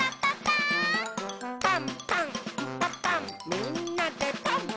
「パンパンんパパンみんなでパン！」